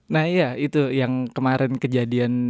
nah iya itu yang kemarin kejadian